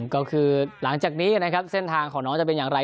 ก็คือหลังจากนี้นะครับเส้นทางของน้องจะเป็นอย่างไร